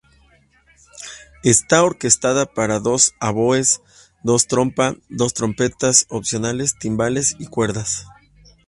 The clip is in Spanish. Está orquestada para dos oboes, dos trompa, dos trompetas opcionales, timbales y cuerdas.